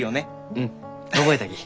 うん覚えたき。